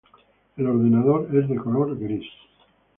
El ordenador es de color gris